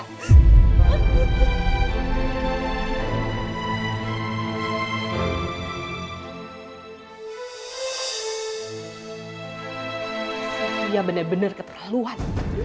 sebenarnya dia benar benar keterlaluan